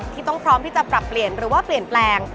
ที่ต้องพร้อมที่จะปรับเปลี่ยนหรือว่าเปลี่ยนแปลง